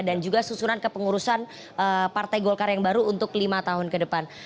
dan juga susunan kepengurusan partai golkar yang baru untuk lima tahun ke depan